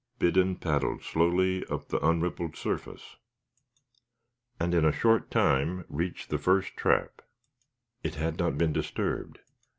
Biddon paddled slowly up the unrippled surface, and in a short time reached the first trap; it had not been disturbed.